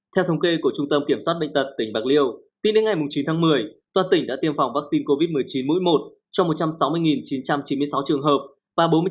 theo thông kê của trung tâm kiểm soát bệnh tật tỉnh bạc liêu tính đến ngày chín tháng một mươi toàn tỉnh đã tiêm phòng vaccine covid một mươi chín mũi một trong một trăm sáu mươi chín trăm chín mươi sáu trường hợp và bốn mươi chín hai trăm năm mươi trường hợp mũi hai